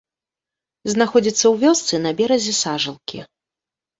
Знаходзіцца ў вёсцы на беразе сажалкі.